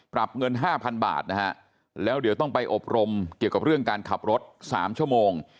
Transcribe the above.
เงินห้าพันบาทนะฮะแล้วเดี๋ยวต้องไปอบรมเกี่ยวกับเรื่องการขับรถสามชั่วโมง